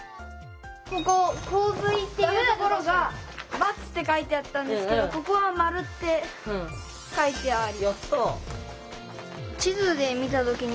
ここ「洪水」っていうところが「×」って書いてあったんですけどここは「○」って書いてある。